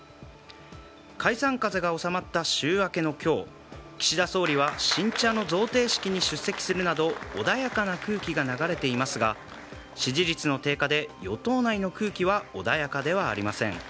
解散風が収まった週明けの今日岸田総理は新茶の贈呈式に出席するなど穏やかな空気が流れていますが支持率の低下で与党内の空気は穏やかではありません。